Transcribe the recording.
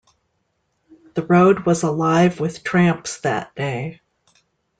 The road was alive with tramps that day.